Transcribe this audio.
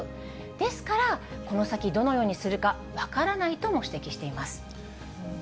ですから、この先どのようにするか、分からないとも指摘しています。